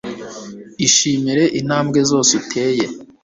ishimire intambwe zose uteye